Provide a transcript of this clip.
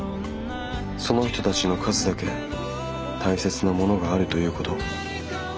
その人たちの数だけ大切なものがあるということ。